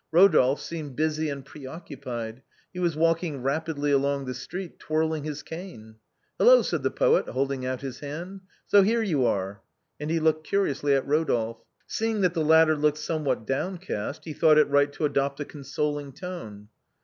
Rodolphe seemed busy and pre occupied, he was walking rapidly along the street, twirling his cane. " Hello," said the poet, holding out his hand, " so here you are," and he looked curiously at Rodolphe. Seeing that the latter looked somewhat downcast, he thought it right to adopt a consoling tone.